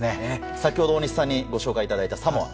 先ほど、大西さんにご紹介いただいたサモア。